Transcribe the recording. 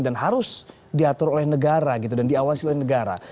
dan harus diatur oleh negara dan diawasi oleh negara